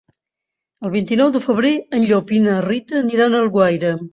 El vint-i-nou de febrer en Llop i na Rita aniran a Alguaire.